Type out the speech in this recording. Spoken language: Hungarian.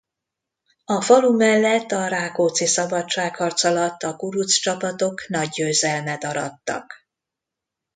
A falu mellett a Rákóczi-szabadságharc alatt a kuruc csapatok nagy győzelmet arattak.